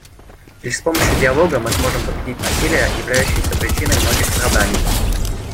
Лишь с помощью диалога мы сможем победить насилие, являющееся причиной многих страданий.